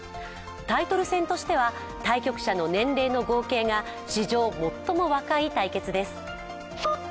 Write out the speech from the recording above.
タイトル戦としては対局者の年齢の合計が史上最も若い対決です。